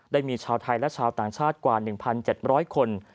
ได้มีชาวไทยและชาวต่างชาติกว่า๑๗๐๐คน